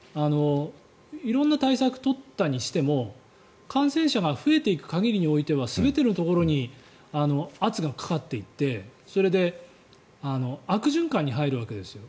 色んな対策を取ったにしても感染者が増えていく限りにおいては全てのところに圧がかかっていってそれで悪循環に入るわけですよ